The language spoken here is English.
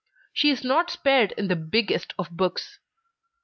She is not spared in the Biggest of Books.